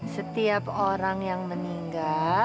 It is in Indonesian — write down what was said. setiap orang yang meninggal